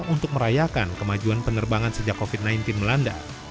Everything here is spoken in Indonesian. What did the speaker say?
untuk merayakan kemajuan penerbangan sejak covid sembilan belas melanda